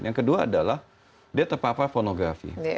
yang kedua adalah dia terpapar pornografi